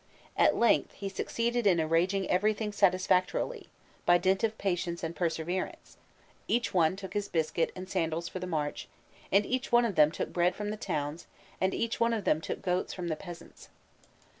At length he succeeded in arranging everything satisfactorily; by dint of patience and perseverance, "each one took his biscuit and sandals for the march, and each one of them took bread from the towns, and each one of them took goats from the peasants."